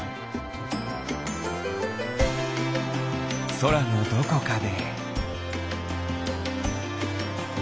そらのどこかで。